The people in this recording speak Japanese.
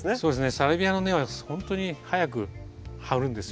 サルビアの根はほんとに早く張るんですよ。